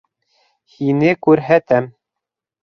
Һине күрһәтәм.